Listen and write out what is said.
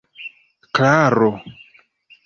Klaro!